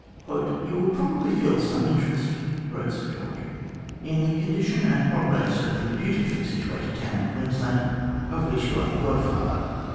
"You will probably feel some interest," wrote Sir George, "in the condition and progress of the beautifully situated town in 'Queensland of which you are the godfather.